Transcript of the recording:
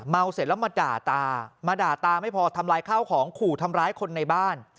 เสร็จแล้วมาด่าตามาด่าตาไม่พอทำลายข้าวของขู่ทำร้ายคนในบ้าน